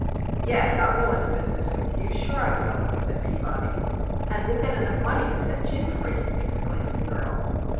"Yes, I'll go into business with you, sure I will!" said Peabody. "And we'll get enough money to set Jim free!" exclaimed the girl.